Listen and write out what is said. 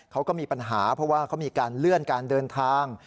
เขาก็มีปัญหาเพราะว่าเขามีการเลื่อนการเดินทาง